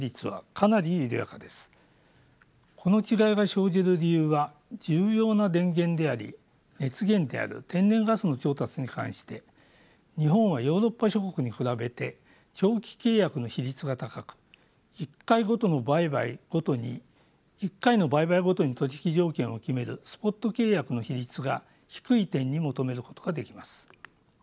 この違いが生じる理由は重要な電源であり熱源である天然ガスの調達に関して日本はヨーロッパ諸国に比べて長期契約の比率が高く１回の売買ごとに取引条件を決めるスポット契約の比率が低い点に求めることができます。